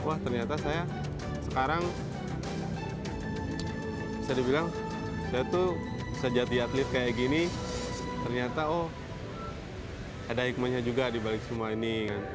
wah ternyata saya sekarang bisa dibilang saya tuh bisa jadi atlet kayak gini ternyata oh ada hikmahnya juga dibalik semua ini